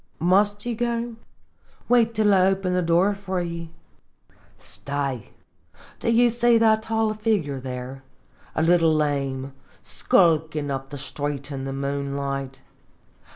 " Must ye go? Wait till I open the door for ye. Stay, do ye see that tall figure, a little lame, skulkin' up the street in the moonlight?